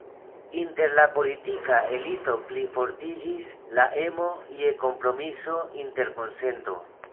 Inter la politika elito plifortiĝis la emo je kompromiso, interkonsento.